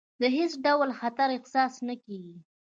د هېڅ ډول خطر احساس نه کېږي.